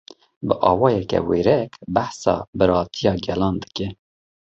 Bi awayeke wêrek, behsa biratiya gelan dike